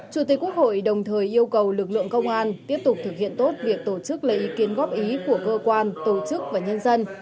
chủ tịch quốc hội đồng thời yêu cầu lực lượng công an tiếp tục thực hiện tốt việc tổ chức lấy ý kiến góp ý của cơ quan tổ chức và nhân dân